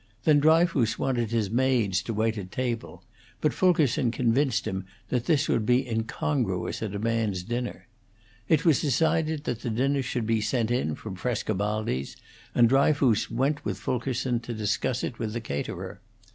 Then Dryfoos wanted his maids to wait at table, but Fulkerson convinced him that this would be incongruous at a man's dinner. It was decided that the dinner should be sent in from Frescobaldi's, and Dryfoos went with Fulkerson to discuss it with the caterer.